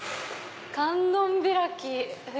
観音開き。